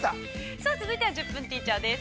◆さあ、続いては「１０分ティーチャー」です。